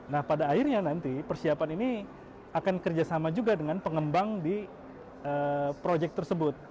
nah pada akhirnya nanti persiapan ini akan kerjasama juga dengan pengembang di proyek tersebut